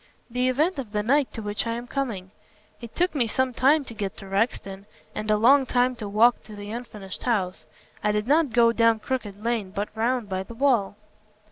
"The event of the night to which I am coming. It took me some time to get to Rexton, and a long time to walk to the unfinished house. I did not go down Crooked Lane, but round by the wall."